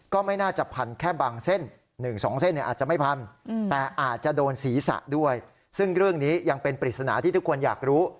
ก็ไม่น่าจะพันแค่บางเส้น๑๒เส้นเนี่ยอาจจะไม่พันแต่อาจจะโดนศีรษะด้วยซึ่งเรื่องนี้ยังเป็นปริศนาที่ทุกคนอยากรู้